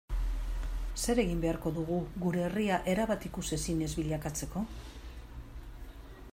Zer egin beharko dugu gure herria erabat ikusezin ez bilakatzeko?